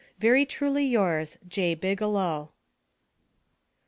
Very truly yours, J. BIGELOW.